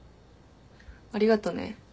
ありがとね。